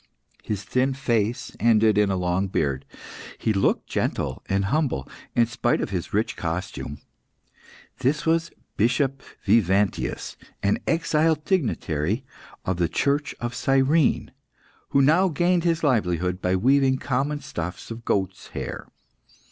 His thin face ended in a long beard. He looked gentle and humble, in spite of his rich costume. This was Bishop Vivantius, an exiled dignitary of the Church of Cyrene, who now gained his livelihood by weaving common stuffs of goats' hair.